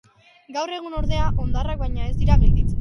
Gaur egun ordea hondarrak baino ez dira gelditzen.